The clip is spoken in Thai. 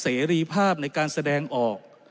เสรีภาพในการแสดงออก